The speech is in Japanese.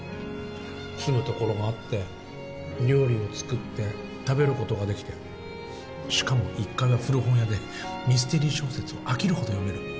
住む所があって料理を作って食べることができてしかも１階は古本屋でミステリー小説を飽きるほど読める。